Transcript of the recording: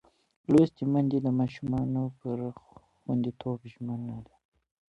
لوستې میندې د ماشوم پر خوندیتوب ژمنه ده.